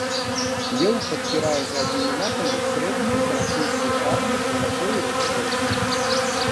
Леў падпірае заднімі лапамі срэбную сарацынскую шаблю з залатою ручкаю.